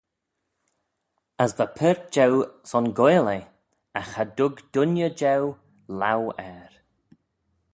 "As va paart jeu son goaill eh; agh cha dug dooinney jeu laue er."